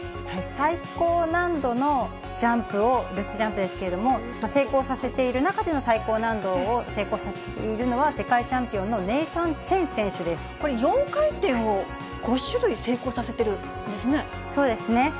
最高難度のジャンプを、ルッツジャンプですけれども、成功させている中での最高難度を成功させているのは世界チャンピこれ、４回転を５種類成功さそうですね。